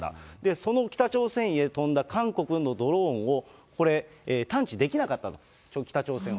その北朝鮮へ飛んだ韓国のドローンを、これ、探知できなかったと、北朝鮮は。